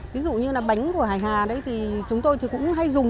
ví dụ như bánh của hải hà chúng tôi cũng hay dùng